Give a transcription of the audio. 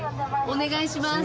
お願いします。